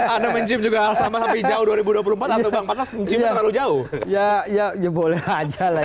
anda mencim juga sama sampai jauh dua ribu dua puluh empat atau bang patah mencimnya terlalu jauh